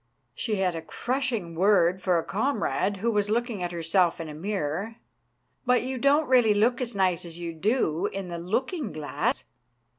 She had a crushing word for a comrade who was look ing at herself in a mirror. " But you don't really look as nice as you do in the looking glass